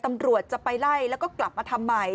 ตำรวจจะไปไล่แล้วก็กลับมาทำใหม่